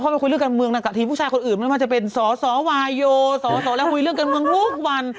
มันอาจจะเป็นสอวายโยสอแล้วคุยเรื่องการเมืองพวกมัน